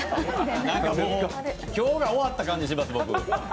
今日が終わった感じします、僕。